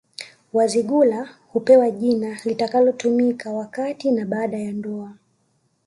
Wazigula hupewa jina litakalotumika wakati na baada ya ndoa